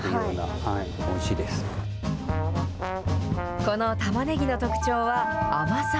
このたまねぎの特徴は、甘さ。